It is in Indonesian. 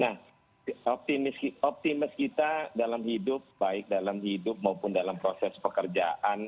nah optimis kita dalam hidup baik dalam hidup maupun dalam proses pekerjaan